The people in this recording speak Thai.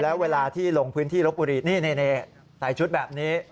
แล้วเวลาที่ลงพื้นที่ลบบุรีนี่ใส่ชุดแบบนี้